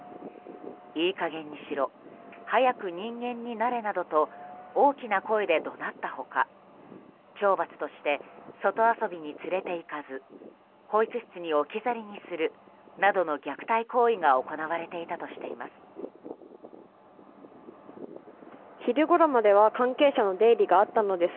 いい加減にしろ早く人間になれなどと大きな声で怒鳴った他懲罰として外遊びに連れていかず保育室に置き去りにするなどの虐待行為が行われていたとしています。